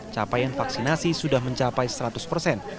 capaian vaksinasi sudah mencapai seratus persen